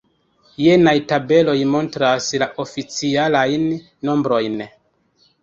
Jenaj tabeloj montras la oficialajn nombrojn.